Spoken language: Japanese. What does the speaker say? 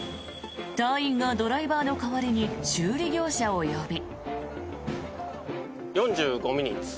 隊員がドライバーの代わりに修理業者を呼び。